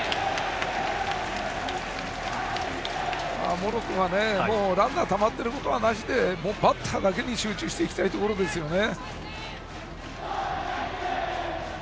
茂呂君はランナーがたまっていることはなしでバッターだけに集中していきたいところですよね。